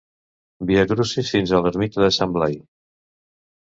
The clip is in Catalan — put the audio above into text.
Viacrucis fins a l'ermita de Sant Blai.